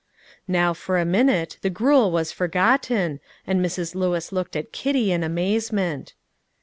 Now for a minute the gruel was forgotten, and Mrs. Lewis looked at Kitty in amazement.